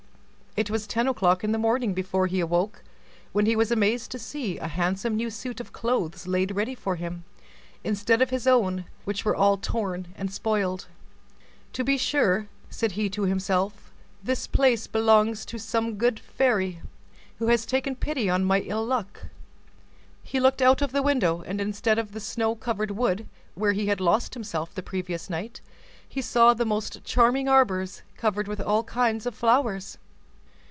It was ten o'clock in the morning before he awoke, when he was amazed to see a handsome new suit of clothes laid ready for him, instead of his own, which were all torn and spoiled. "To be sure," said he to himself, "this place belongs to some good fairy, who has taken pity on my ill luck." He looked out of the window, and instead of the snow covered wood, where he had lost himself the previous night, he saw the most charming arbors covered with all kinds of flowers.